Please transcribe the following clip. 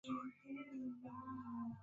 kwa hivyo pia huathiri mifumo ya ikolojia Na